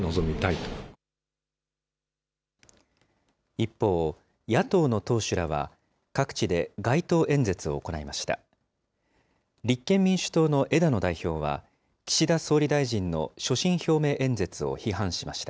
一方、野党の党首らは、各地で街頭演説を行いました。